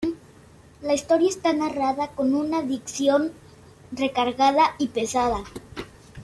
La historia está narrada con una dicción recargada y pesada.